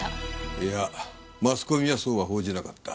いやマスコミはそうは報じなかった。